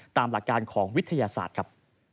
ตามหลักการของวิทยาศาสตร์ครับ